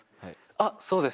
あっそうです！